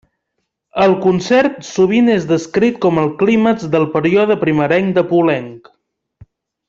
El concert sovint és descrit com el clímax del període primerenc de Poulenc.